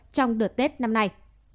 trong đợt tết năm nay